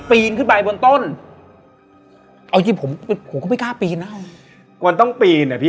ปีนขึ้นไปบนต้นเอาจริงจริงผมผมก็ไม่กล้าปีนนะคะควรต้องปีนอ่ะพี่